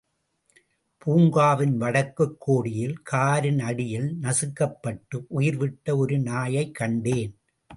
பூங்காவின் வடக்குக் கோடியில் காரின் அடியில் நசுக்கப்பட்டு உயிர் விட்ட ஒரு நாயைக் கண்டான்.